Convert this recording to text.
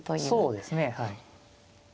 そうですねはい。